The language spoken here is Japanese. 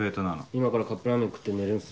今からカップラーメン食って寝るんす。